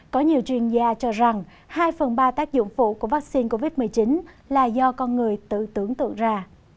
có nhiều chuyên gia cho rằng hai phần ba tác dụng phụ của vaccine covid một mươi chín là do con người tự tưởng tượng ra